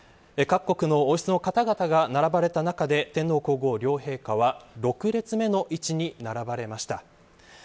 各国の王室の方々が並ばれた中で天皇皇后両陛下は６列目の位置に並ばれました。